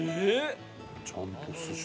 ちゃんと寿司だ。